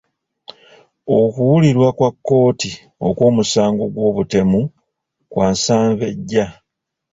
Okuwulirwa kwa kkooti okw'omusago gw'obutemu kwa nsanve ejja.